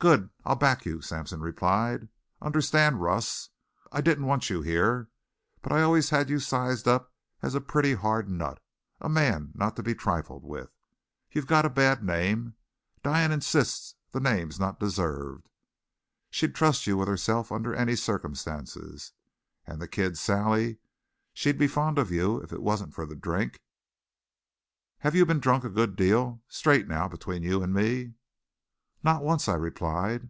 "Good! I'll back you," Sampson replied. "Understand, Russ, I didn't want you here, but I always had you sized up as a pretty hard nut, a man not to be trifled with. You've got a bad name. Diane insists the name's not deserved. She'd trust you with herself under any circumstances. And the kid, Sally, she'd be fond of you if it wasn't for the drink. Have you been drunk a good deal? Straight now, between you and me." "Not once," I replied.